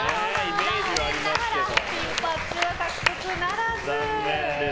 残念ながらピンバッジは獲得ならず。